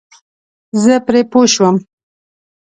زه پرې پوه شوم.